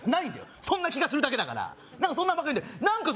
そんな気がするだけだからそんなんばっかり言うんだよ